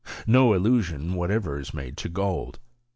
^ No allusion what ever is made to gold.